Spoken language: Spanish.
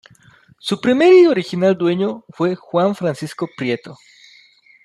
Su primer y original dueño fue Juan Francisco Prieto.